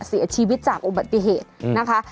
เสียชีวิตจากอุบัติเหตุนะคะ